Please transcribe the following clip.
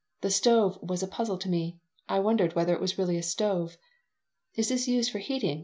The stove was a puzzle to me. I wondered whether it was really a stove. "Is this used for heating?"